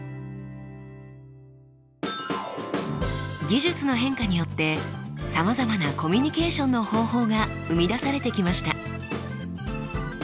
技術の変化によってさまざまなコミュニケーションの方法が生み出されてきました。